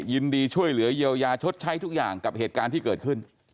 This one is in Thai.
ยินดีช่วยเหลือเยียวยาชดใช้ทุกอย่างกับเหตุการณ์ที่เกิดขึ้น